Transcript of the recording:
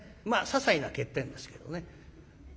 まあささいな欠点ですけどね。